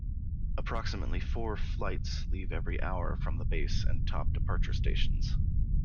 Approximately four "flights" leave every hour from the base and top departure stations.